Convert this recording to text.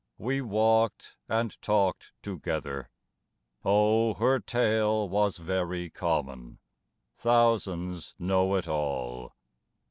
We walked and talked together. O her tale Was very common; thousands know it all!